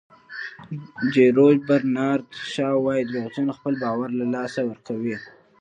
جیورج برنارد شاو وایي دروغجن خپل باور له لاسه ورکوي.